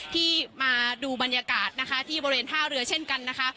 ที่มาดูบรรยากาศนะคะที่บริเวณท่าเรือเช่นกันนะคะ